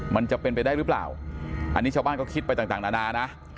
มันจะเป็นไปได้หรือเปล่าอันนี้ชาวบ้านก็คิดไปต่างนานานะ